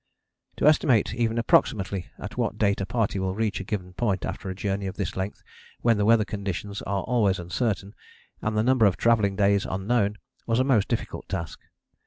To estimate even approximately at what date a party will reach a given point after a journey of this length when the weather conditions are always uncertain and the number of travelling days unknown, was a most difficult task.